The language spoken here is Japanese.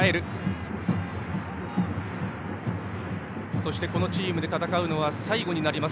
そしてこのチームで戦うのは最後になります。